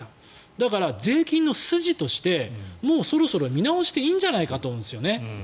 だから、税金の筋としてもうそろそろこれを見直していいんじゃないかと思うんですよね。